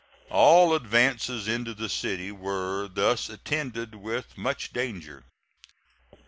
All advances into the city were thus attended with much danger.